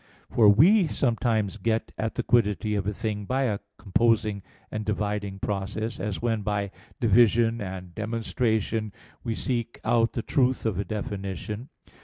For we sometimes get at the quiddity of a thing by a composing and dividing process, as when, by division and demonstration, we seek out the truth of a definition.